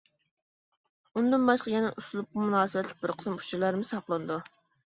ئۇندىن باشقا يەنە ئۇسلۇبقا مۇناسىۋەتلىك بىر قىسىم ئۇچۇرلارمۇ ساقلىنىدۇ.